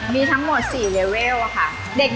มีทั้งหมด๔เลเวลค่ะ